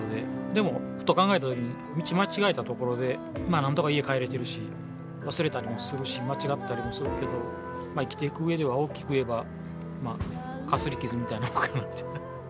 でも、ふと考えたときに、道間違えたところで、なんとか家帰れてるし、忘れたりもするし、間違ったりもするけど、生きていくうえでは、大きくいえば、かすり傷みたいなもんかな。